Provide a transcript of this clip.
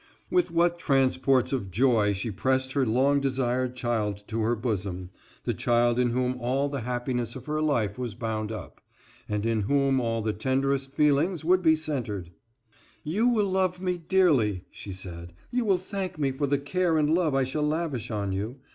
With what transports of joy she pressed her long desired child to her bosom the child in whom all the happiness of her life was bound up, and in whom all her tenderest feelings would be centered! "You will love me dearly," she said, "you will thank me for the care and love I shall lavish on you.